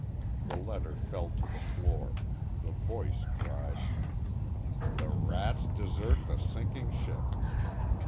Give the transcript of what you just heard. The letter fell to the floor; the voice cried: "The rats desert the sinking ship!"